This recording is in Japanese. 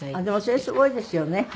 でもそれすごいですよね。